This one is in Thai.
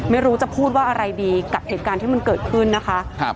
ไม่รู้จะพูดว่าอะไรดีกับเหตุการณ์ที่มันเกิดขึ้นนะคะ